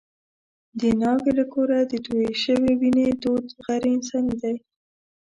د ناوې له کوره د تویې شوې وینې دود غیر انساني دی.